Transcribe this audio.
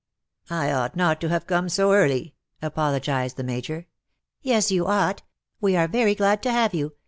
^"*" I ought not to have come so early,"^ apologized the Major. ^' Yes you ought ; we are very giad to have you.